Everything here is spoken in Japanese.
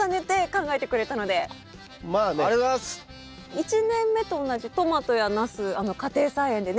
１年目と同じトマトやナス家庭菜園でね